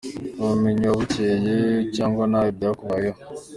Ubu bumenyi wabukuyehe? cyangwa nawe byakubayeho?.